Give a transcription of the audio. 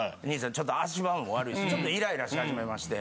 ちょっと足場も悪いしちょっとイライラし始めまして。